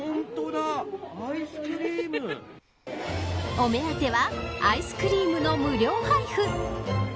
お目当てはアイスクリームの無料配布。